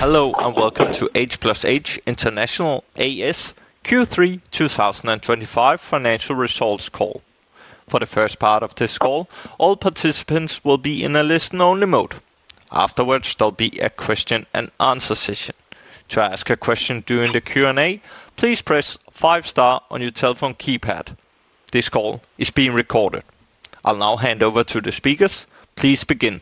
Hello and welcome to H+H International Q3 2025 financial results call. For the first part of this call, all participants will be in a listen-only mode. Afterwards, there'll be a question-and-answer session. To ask a question during the Q&A, please press five-star on your telephone keypad. This call is being recorded. I'll now hand over to the speakers. Please begin.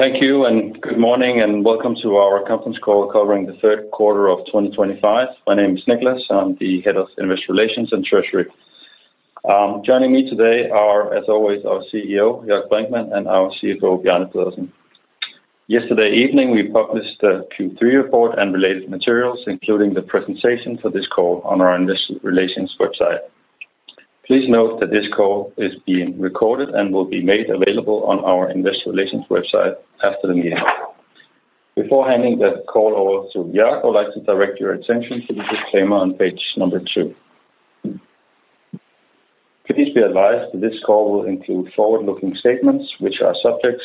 Thank you, and good morning, and welcome to our conference call covering the third quarter of 2025. My name is Niclas, and I'm the Head of Investor Relations and Treasury. Joining me today are, as always, our CEO, Jörg Brinkmann, and our CFO, Bjarne Pedersen. Yesterday evening, we published the Q3 report and related materials, including the presentation for this call, on our Investor Relations website. Please note that this call is being recorded and will be made available on our Investor Relations website after the meeting. Before handing the call over to Jörg, I would like to direct your attention to the disclaimer on page number two. Please be advised that this call will include forward-looking statements, which are subject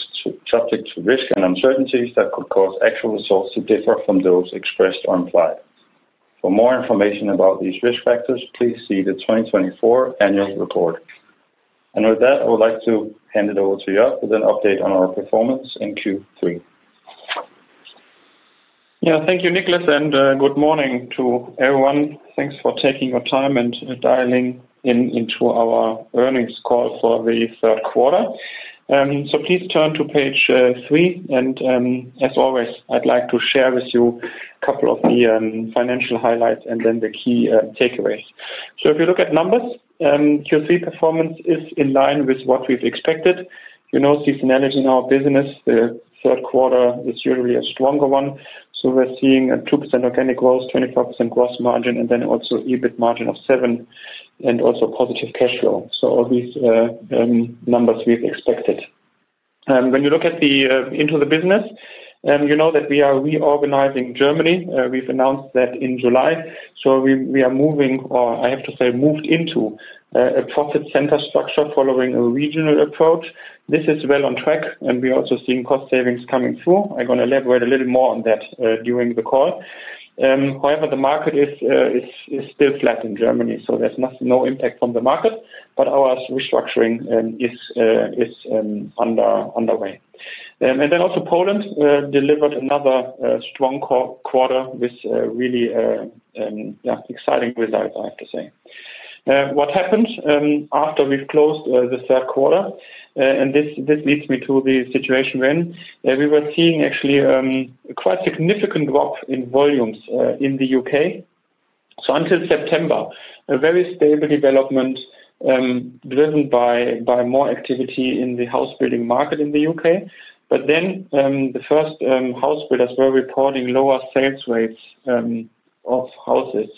to risk and uncertainties that could cause actual results to differ from those expressed or implied. For more information about these risk factors, please see the 2024 annual report. I would like to hand it over to Jörg with an update on our performance in Q3. Yeah, thank you, Niclas, and good morning to everyone. Thanks for taking your time and dialing in into our earnings call for the third quarter. Please turn to page three. As always, I'd like to share with you a couple of the financial highlights and then the key takeaways. If you look at numbers, Q3 performance is in line with what we've expected. You know, seasonality in our business, the third quarter is usually a stronger one. We're seeing a 2% organic growth, 24% gross margin, and then also EBIT margin of seven, and also positive cash flow. All these numbers we've expected. When you look into the business, you know that we are reorganizing Germany. We announced that in July. We are moving, or I have to say, moved into a profit-centered structure following a regional approach. This is well on track, and we're also seeing cost savings coming through. I'm going to elaborate a little more on that during the call. However, the market is still flat in Germany, so there's no impact from the market, but our restructuring is underway. Also, Poland delivered another strong quarter with really exciting results, I have to say. What happened after we've closed the third quarter? This leads me to the situation when we were seeing actually a quite significant drop in volumes in the U.K. Until September, a very stable development driven by more activity in the house-building market in the U.K. The first house builders were reporting lower sales rates of houses,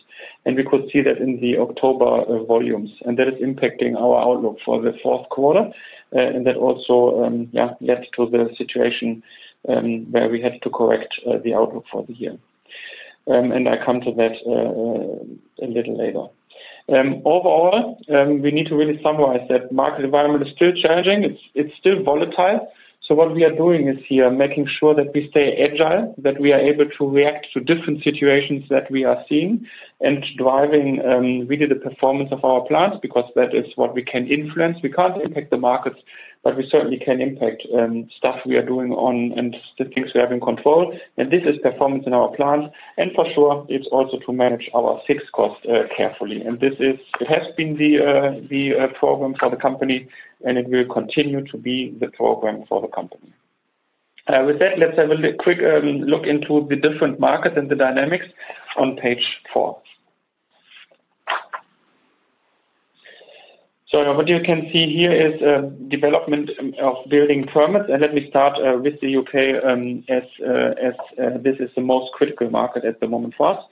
and we could see that in the October volumes, and that is impacting our outlook for the fourth quarter. That also led to the situation where we had to correct the outlook for the year. I'll come to that a little later. Overall, we need to really summarize that the market environment is still challenging. It is still volatile. What we are doing is here making sure that we stay agile, that we are able to react to different situations that we are seeing, and driving really the performance of our plants because that is what we can influence. We cannot impact the markets, but we certainly can impact stuff we are doing on and the things we have in control. This is performance in our plants. For sure, it is also to manage our fixed costs carefully. This has been the program for the company, and it will continue to be the program for the company. With that, let's have a quick look into the different markets and the dynamics on page four. What you can see here is the development of building permits. Let me start with the U.K., as this is the most critical market at the moment for us.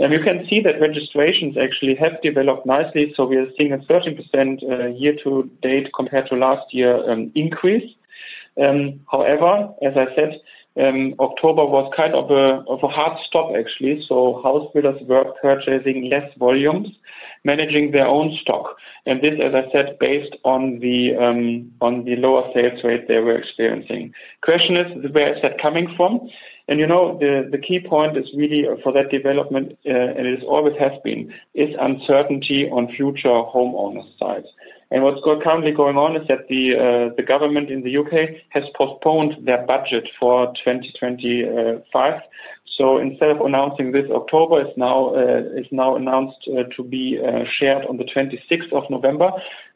You can see that registrations actually have developed nicely. We are seeing a 30% year-to-date compared to last year increase. However, as I said, October was kind of a hard stop, actually. House builders were purchasing less volumes, managing their own stock. This, as I said, is based on the lower sales rate they were experiencing. The question is, where is that coming from? You know, the key point is really for that development, and it always has been, is uncertainty on future homeowners' sides. What's currently going on is that the government in the U.K. has postponed their budget for 2025. Instead of announcing this October, it's now announced to be shared on the 26th of November.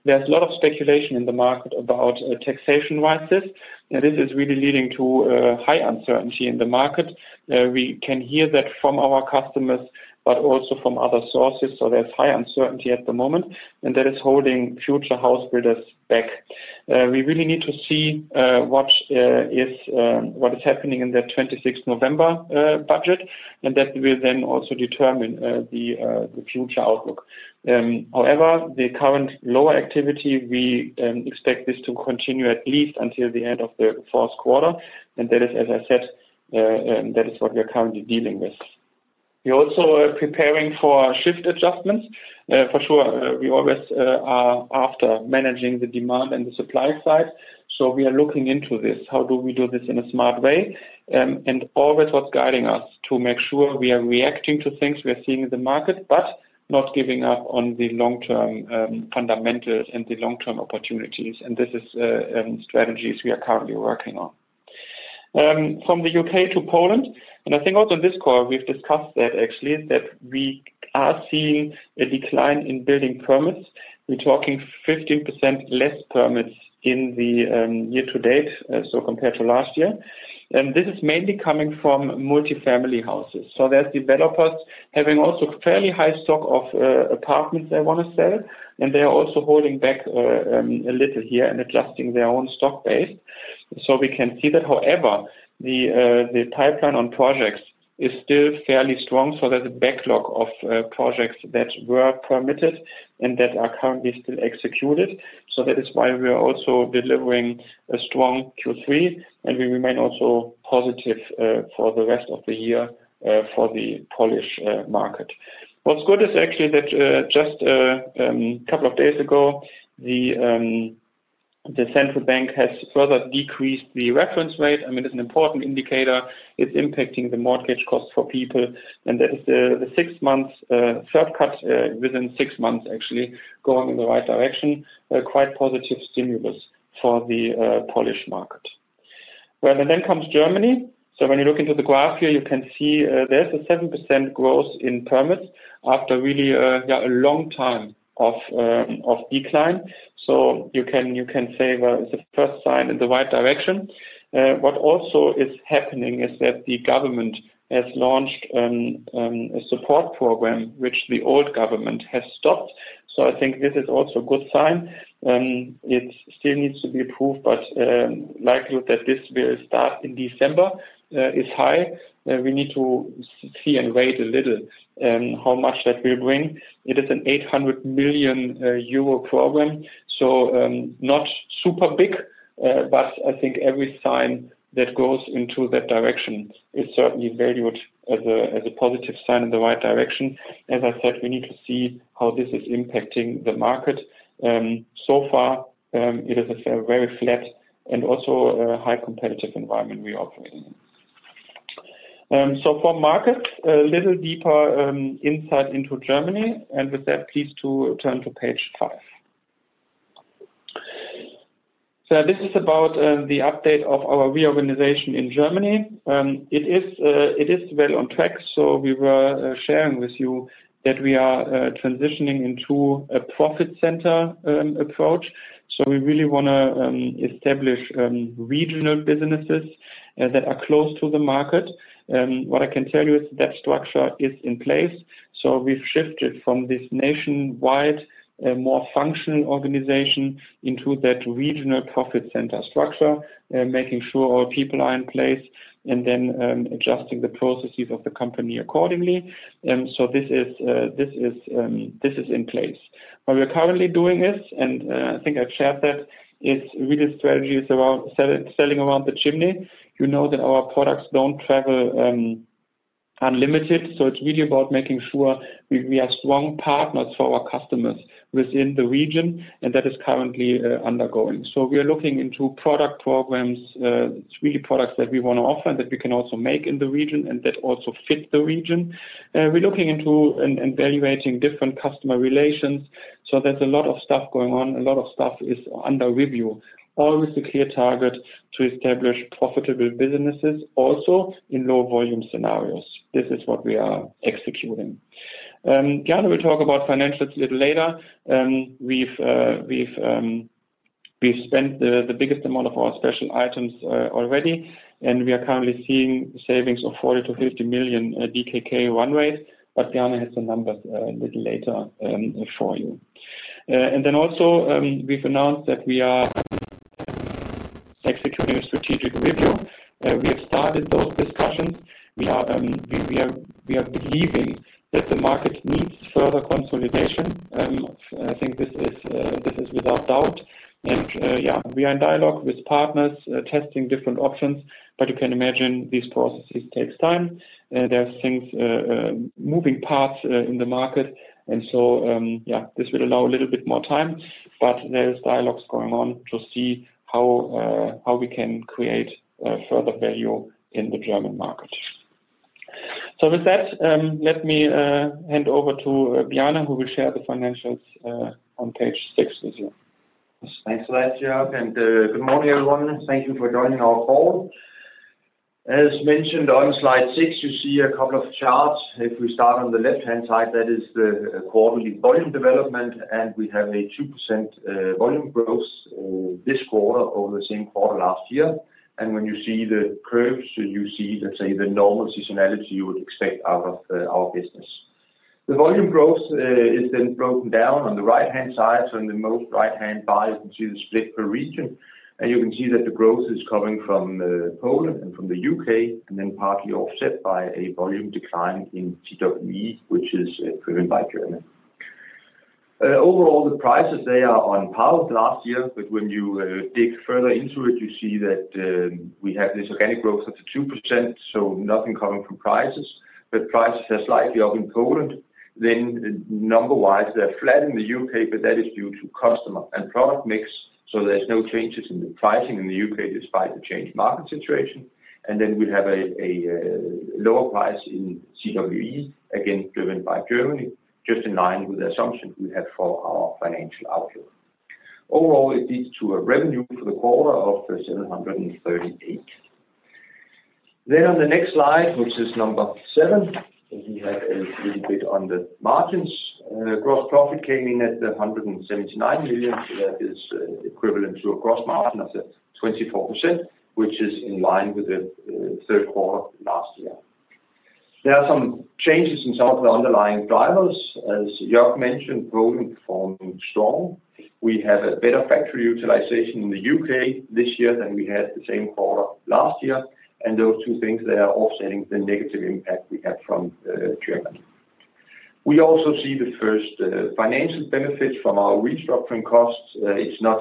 There's a lot of speculation in the market about taxation rises. This is really leading to high uncertainty in the market. We can hear that from our customers, but also from other sources. There's high uncertainty at the moment, and that is holding future house builders back. We really need to see what is happening in the 26th November budget, and that will then also determine the future outlook. However, the current lower activity, we expect this to continue at least until the end of the fourth quarter. That is, as I said, what we are currently dealing with. We're also preparing for shift adjustments. For sure, we always are after managing the demand and the supply side. We are looking into this. How do we do this in a smart way? Always what's guiding us is to make sure we are reacting to things we are seeing in the market, but not giving up on the long-term fundamentals and the long-term opportunities. These are strategies we are currently working on. From the U.K. to Poland, I think also in this call, we've discussed that actually, we are seeing a decline in building permits. We're talking 15% less permits in the year-to-date, so compared to last year. This is mainly coming from multifamily houses. There are developers having also fairly high stock of apartments they want to sell, and they are also holding back a little here and adjusting their own stock base. We can see that. We can see that however, the pipeline on projects is still fairly strong. There is a backlog of projects that were permitted and that are currently still executed. That is why we are also delivering a strong Q3, and we remain also positive for the rest of the year for the Polish market. What's good is actually that just a couple of days ago, the central bank has further decreased the reference rate. I mean, it's an important indicator. It's impacting the mortgage costs for people. That is the sixth shortcut within six months, actually, going in the right direction, quite positive stimulus for the Polish market. Then comes Germany. When you look into the graph here, you can see there is a 7% growth in permits after really a long time of decline. You can say it's a first sign in the right direction. What also is happening is that the government has launched a support program, which the old government has stopped. I think this is also a good sign. It still needs to be approved, but likelihood that this will start in December is high. We need to see and wait a little how much that will bring. It is an 800 million euro program, so not super big, but I think every sign that goes into that direction is certainly valued as a positive sign in the right direction. As I said, we need to see how this is impacting the market. So far, it is a very flat and also high competitive environment we are operating in. For markets, a little deeper insight into Germany. With that, please turn to page five. This is about the update of our reorganization in Germany. It is well on track. We were sharing with you that we are transitioning into a profit-centered approach. We really want to establish regional businesses that are close to the market. What I can tell you is that structure is in place. We have shifted from this nationwide, more functional organization into that regional profit-centered structure, making sure all people are in place, and then adjusting the processes of the company accordingly. This is in place. What we are currently doing is, and I think I have shared that, is really strategies selling around the chimney. You know that our products do not travel unlimited. It is really about making sure we are strong partners for our customers within the region, and that is currently undergoing. We are looking into product programs, really products that we want to offer and that we can also make in the region and that also fit the region. We're looking into and evaluating different customer relations. There is a lot of stuff going on. A lot of stuff is under review. Always a clear target to establish profitable businesses, also in low-volume scenarios. This is what we are executing. Bjarne will talk about financials a little later. We've spent the biggest amount of our special items already, and we are currently seeing savings of 40 million-50 million DKK run rate. Bjarne has the numbers a little later for you. We have also announced that we are executing a strategic review. We have started those discussions. We are believing that the market needs further consolidation. I think this is without doubt. We are in dialogue with partners, testing different options. You can imagine these processes take time. There are moving parts in the market. Yeah, this will allow a little bit more time. There are dialogues going on to see how we can create further value in the German market. With that, let me hand over to Bjarne, who will share the financials on page six with you. Thanks so much, Jörg. Good morning, everyone. Thank you for joining our call. As mentioned on slide six, you see a couple of charts. If we start on the left-hand side, that is the quarterly volume development, and we have a 2% volume growth this quarter over the same quarter last year. When you see the curves, you see, let's say, the normal seasonality you would expect out of our business. The volume growth is then broken down on the right-hand side. In the most right-hand bar, you can see the split per region. You can see that the growth is coming from Poland and from the U.K., and then partly offset by a volume decline in GWE, which is driven by Germany. Overall, the prices, they are on par with last year. When you dig further into it, you see that we have this organic growth of 2%, so nothing coming from prices. Prices are slightly up in Poland. Number-wise, they are flat in the U.K., but that is due to customer and product mix. There are no changes in the pricing in the U.K. despite the changed market situation. We have a lower price in GWE, again driven by Germany, just in line with the assumption we had for our financial outlook. Overall, it leads to a revenue for the quarter of 738 million. On the next slide, which is number seven, we have a little bit on the margins. Gross profit came in at 179 million. That is equivalent to a gross margin of 24%, which is in line with the third quarter last year. There are some changes in some of the underlying drivers. As Jörg mentioned, Poland performed strong. We have a better factory utilization in the U.K. this year than we had the same quarter last year. Those two things, they are offsetting the negative impact we had from Germany. We also see the first financial benefits from our restructuring costs. It is not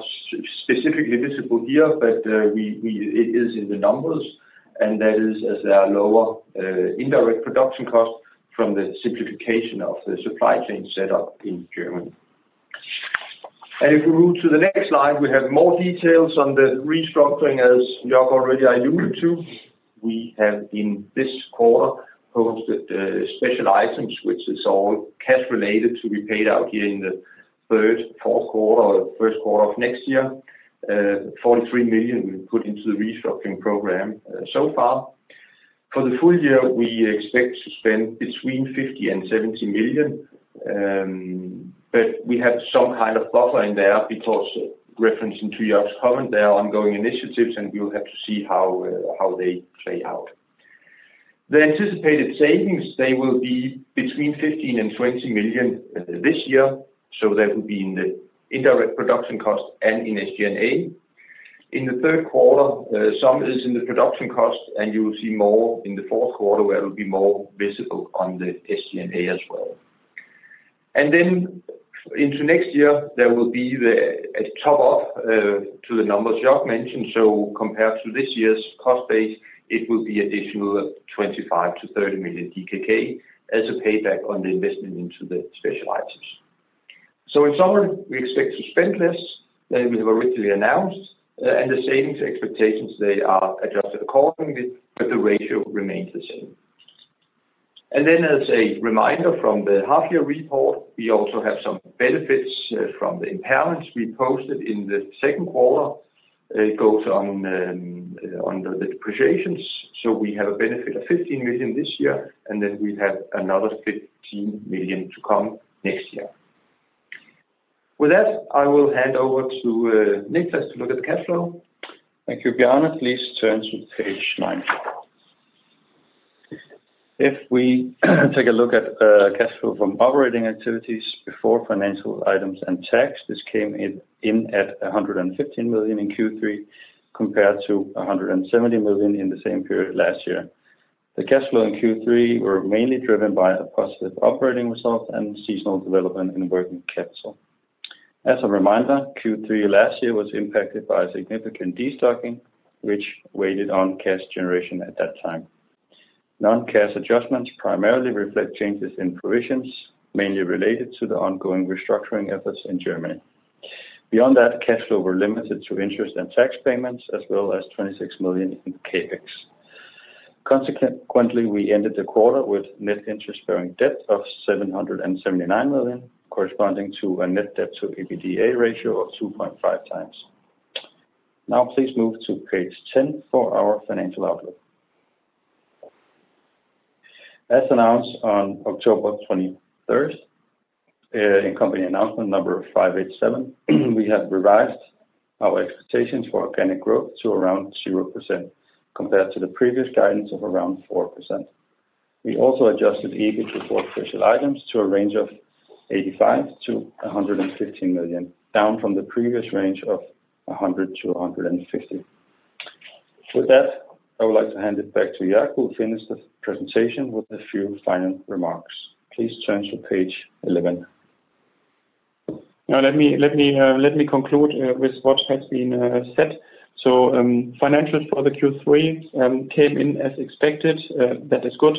specifically visible here, but it is in the numbers. That is as there are lower indirect production costs from the simplification of the supply chain setup in Germany. If we move to the next slide, we have more details on the restructuring, as Jörg already alluded to. We have in this quarter posted special items, which is all cash-related to be paid out here in the third, fourth quarter, or the first quarter of next year. 43 million we have put into the restructuring program so far. For the full year, we expect to spend between 50 million and 70 million. We have some kind of buffer in there because referencing to Jörg's comment, there are ongoing initiatives, and we will have to see how they play out. The anticipated savings, they will be between 15 million and 20 million this year. That will be in the indirect production cost and in SG&A. In the third quarter, some is in the production cost, and you will see more in the fourth quarter where it will be more visible on the SG&A as well. Into next year, there will be a top-up to the numbers Jörg mentioned. Compared to this year's cost base, it will be an additional 25 million-30 million DKK as a payback on the investment into the special items. In summary, we expect to spend less than we have originally announced. The savings expectations are adjusted accordingly, but the ratio remains the same. As a reminder from the half-year report, we also have some benefits from the impairments we posted in the second quarter. It goes on under the depreciations. We have a benefit of 15 million this year, and then we have another 15 million to come next year. With that, I will hand over to Niclas to look at the cash flow. Thank you, Bjarne. Please turn to page nine. If we take a look at cash flow from operating activities before financial items and tax, this came in at 115 million in Q3 compared to 170 million in the same period last year. The cash flow in Q3 were mainly driven by a positive operating result and seasonal development in working capital. As a reminder, Q3 last year was impacted by significant destocking, which weighted on cash generation at that time. Non-cash adjustments primarily reflect changes in provisions, mainly related to the ongoing restructuring efforts in Germany. Beyond that, cash flow were limited to interest and tax payments, as well as 26 million in CapEx. Consequently, we ended the quarter with net interest-bearing debt of 779 million, corresponding to a net debt-to-EBITDA ratio of 2.5x. Now, please move to page 10 for our financial outlook. As announced on October 23rd in company announcement number 587, we have revised our expectations for organic growth to around 0% compared to the previous guidance of around 4%. We also adjusted EBIT before special items to a range of 85 million-115 million, down from the previous range of 100 million-150 million. With that, I would like to hand it back to Jörg, who will finish the presentation with a few final remarks. Please turn to page 11. Now, let me conclude with what has been said. Financials for the Q3 came in as expected. That is good.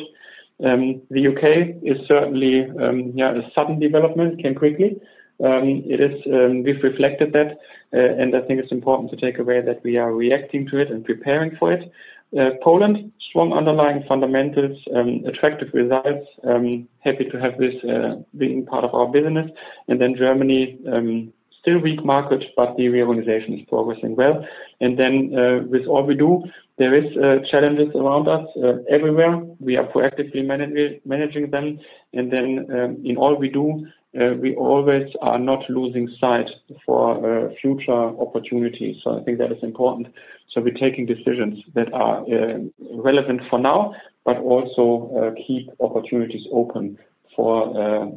The U.K. is certainly a sudden development. It came quickly. We have reflected that, and I think it is important to take away that we are reacting to it and preparing for it. Poland, strong underlying fundamentals, attractive results. Happy to have this being part of our business. Germany, still weak market, but the reorganization is progressing well. With all we do, there are challenges around us everywhere. We are proactively managing them. In all we do, we always are not losing sight for future opportunities. I think that is important. We are taking decisions that are relevant for now, but also keep opportunities open for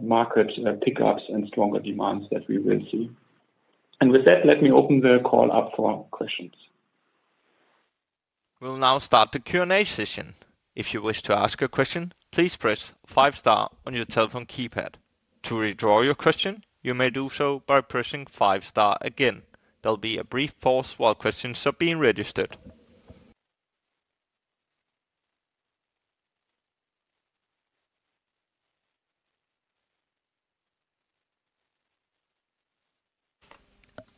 market pickups and stronger demands that we will see. With that, let me open the call up for questions. We'll now start the Q&A session. If you wish to ask a question, please press five star on your telephone keypad. To redraw your question, you may do so by pressing five star again. There will be a brief pause while questions are being registered.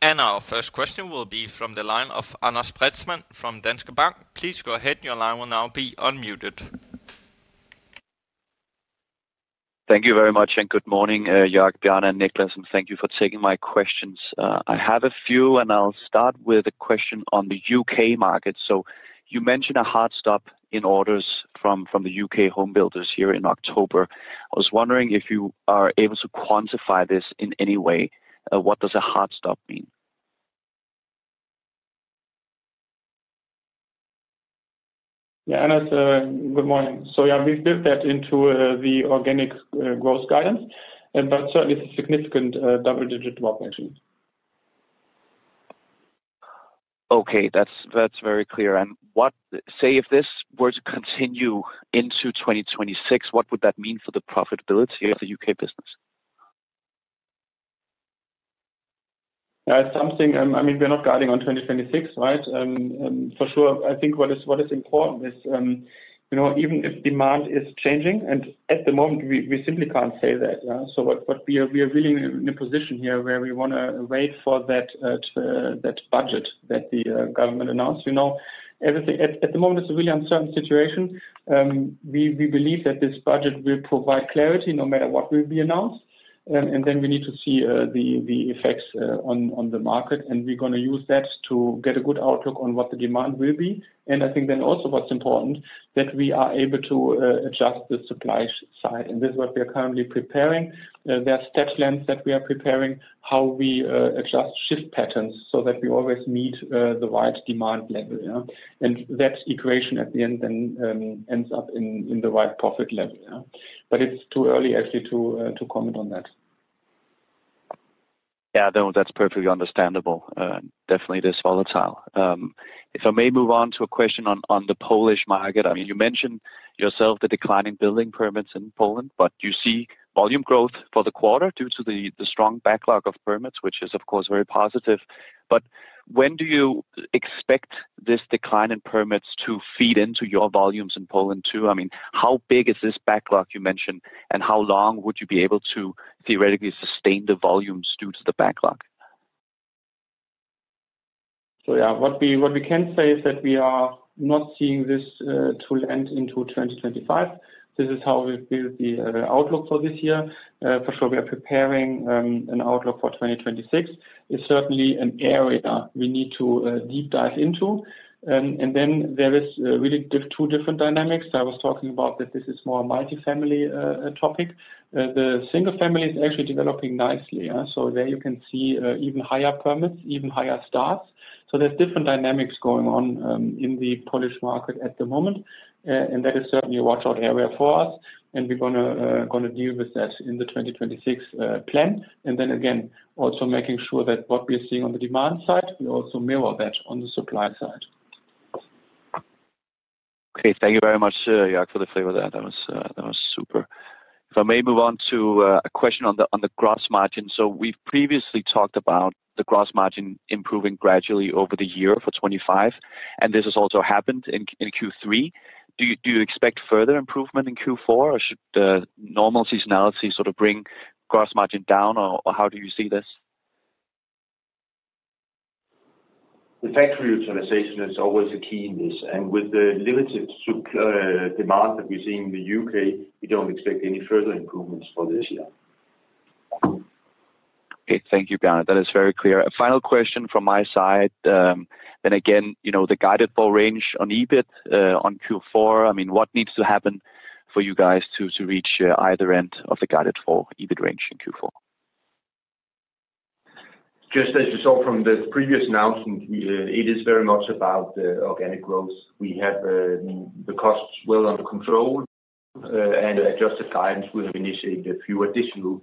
Our first question will be from the line of Anas Spretzmann from Danske Bank. Please go ahead. Your line will now be unmuted. Thank you very much and good morning, Jörg, Bjarne and Niclas. Thank you for taking my questions. I have a few, and I'll start with a question on the U.K. market. You mentioned a hard stop in orders from the U.K. home builders here in October. I was wondering if you are able to quantify this in any way. What does a hard stop mean? Yeah, Anas, good morning. Yeah, we've built that into the organic growth guidance. Certainly, it's a significant double-digit drop, actually. Okay, that's very clear. If this were to continue into 2026, what would that mean for the profitability of the U.K. business? I mean, we're not guiding on 2026, right? For sure. I think what is important is even if demand is changing, and at the moment, we simply can't say that. We are really in a position here where we want to wait for that budget that the government announced. At the moment, it's a really uncertain situation. We believe that this budget will provide clarity no matter what will be announced. We need to see the effects on the market. We're going to use that to get a good outlook on what the demand will be. I think then also what's important is that we are able to adjust the supply side. This is what we are currently preparing. There are step plans that we are preparing, how we adjust shift patterns so that we always meet the right demand level. That equation at the end then ends up in the right profit level. It is too early, actually, to comment on that. Yeah, no, that's perfectly understandable. Definitely, it is volatile. If I may move on to a question on the Polish market. I mean, you mentioned yourself the declining building permits in Poland, but you see volume growth for the quarter due to the strong backlog of permits, which is, of course, very positive. When do you expect this decline in permits to feed into your volumes in Poland too? I mean, how big is this backlog you mentioned, and how long would you be able to theoretically sustain the volumes due to the backlog? Yeah, what we can say is that we are not seeing this too late into 2025. This is how we've built the outlook for this year. For sure, we are preparing an outlook for 2026. It's certainly an area we need to deep dive into. There are really two different dynamics. I was talking about that this is more a multifamily topic. The single family is actually developing nicely. There you can see even higher permits, even higher starts. There are different dynamics going on in the Polish market at the moment. That is certainly a watch-out area for us. We're going to deal with that in the 2026 plan. Also making sure that what we're seeing on the demand side, we also mirror that on the supply side. Okay, thank you very much, Jörg, for the flavor there. That was super. If I may move on to a question on the gross margin. So we've previously talked about the gross margin improving gradually over the year for 2025. And this has also happened in Q3. Do you expect further improvement in Q4, or should normal seasonality sort of bring gross margin down, or how do you see this? Factory utilization is always a key in this. With the limited demand that we're seeing in the U.K., we don't expect any further improvements for this year. Okay, thank you, Bjarne. That is very clear. A final question from my side. Again, the guided-for range on EBIT on Q4, I mean, what needs to happen for you guys to reach either end of the guided-for EBIT range in Q4? Just as you saw from the previous announcement, it is very much about organic growth. We have the costs well under control. Adjusted guidance, we have initiated a few additional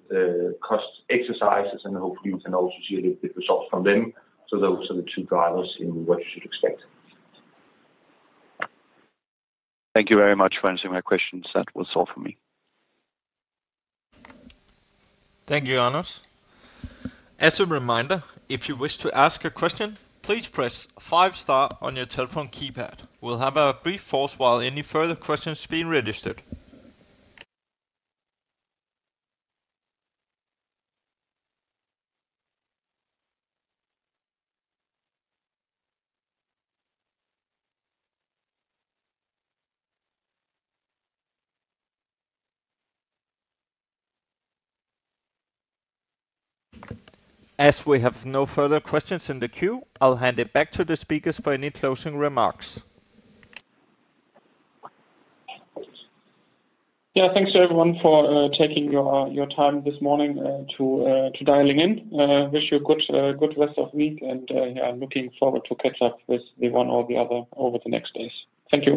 cost exercises, and hopefully, we can also see a little bit of results from them. Those are the two drivers in what you should expect. Thank you very much for answering my questions. That was all for me. Thank you, Anas. As a reminder, if you wish to ask a question, please press five star on your telephone keypad. We'll have a brief pause while any further questions are being registered. As we have no further questions in the queue, I'll hand it back to the speakers for any closing remarks. Yeah, thanks everyone for taking your time this morning to dialing in. Wish you a good rest of the week, and yeah, looking forward to catch up with one or the other over the next days. Thank you.